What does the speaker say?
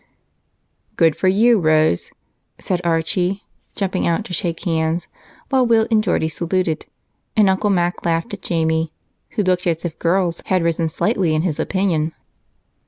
"Good for you, Rose!" said Archie, jumping out to shake hands while Will and Geordie saluted and Uncle Mac laughed at Jamie, who looked as if girls had risen slightly in his opinion.